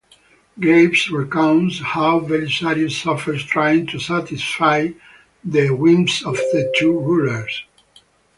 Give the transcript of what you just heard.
Graves recounts how Belisarius suffers trying to satisfy the whims of the two rulers.